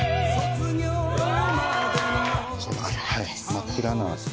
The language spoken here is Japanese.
真っ暗な。